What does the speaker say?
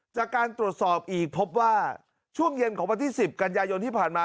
จากการตรวจสอบอีกพบว่าช่วงเย็นของวันที่๑๐กันยายนที่ผ่านมา